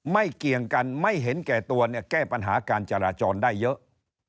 เกี่ยงกันไม่เห็นแก่ตัวเนี่ยแก้ปัญหาการจราจรได้เยอะ